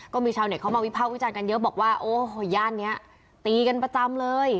ก็มีชาวเน็ตเข้ามาวิภาควิจารณ์กันเยอะบอกว่าโอ้โหย่านนี้ตีกันประจำเลย